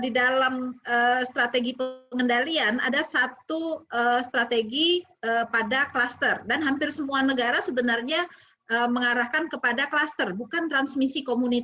di dalam strategi pengendalian ada satu strategi pada kluster dan hampir semua negara sebenarnya mengarahkan kepada klaster bukan transmisi komunitas